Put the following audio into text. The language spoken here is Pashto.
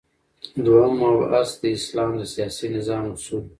دوهم مبحث : د اسلام د سیاسی نظام اصول